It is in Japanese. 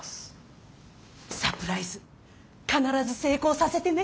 サプライズ必ず成功させてね！